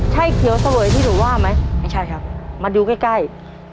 ใช่เขียวเสวยที่หนูว่าไหมไม่ใช่ครับมาดูใกล้ใกล้